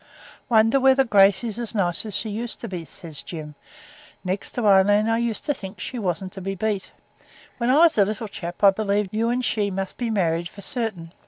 'Wonder whether Gracey's as nice as she used to be,' says Jim. 'Next to Aileen I used to think she wasn't to be beat. When I was a little chap I believed you and she must be married for certain.